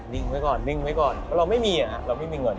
นิ่งไว้ก่อนนิ่งไว้ก่อนเพราะเราไม่มีเราไม่มีเงิน